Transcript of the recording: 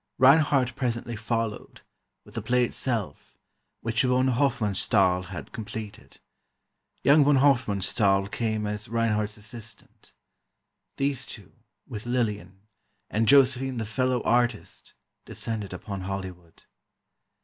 Reinhardt presently followed, with the play itself, which von Hofmannsthal had completed. Young von Hofmannsthal came as Reinhardt's assistant. These two, with Lillian, and Josephine the "fellow artist," descended upon Hollywood.